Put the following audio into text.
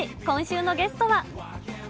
今週のゲストは。